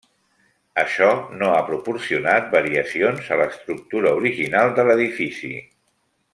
Això no ha proporcionat variacions a l'estructura original de l'edifici.